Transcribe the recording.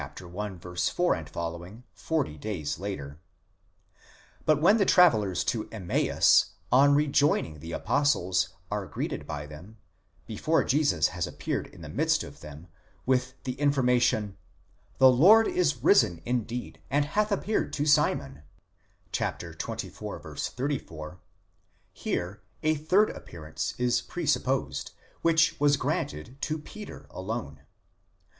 4 ff forty days later; but when the travellers to Emmaus, on rejoining the apostles, are greeted by them, before Jesus has appeared in the midst of them, with the information: 276 Lord is risen indeed, and hath appeared to Simon (xxiv. 34): here a third ap pearance is presupposed, which was granted to Peter alone.